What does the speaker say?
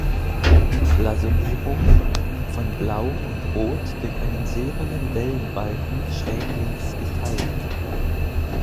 Blasonierung: „Von Blau und Rot durch einen silbernen Wellenbalken schräglinks geteilt.